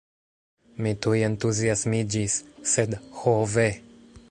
Mi tuj entuziasmiĝis; sed, ho ve!